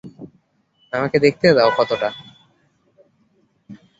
আমাকে দেখতে দাও ক্ষতটা!